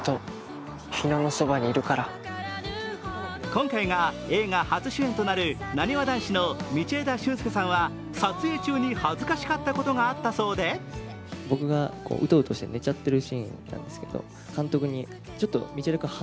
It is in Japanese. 今回が映画初主演となるなにわ男子の道枝駿佑さんは撮影中に恥ずかしかったことがあったそうで公開から１０週連続のトップ５入り。